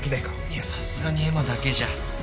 いやさすがに絵馬だけじゃ。